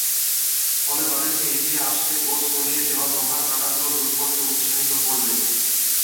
ফলে তাদেরকে এগিয়ে আসতে ও ছড়িয়ে দেয়া লোহার কাঁটাগুলো দূর করতে উৎসাহিত করবে।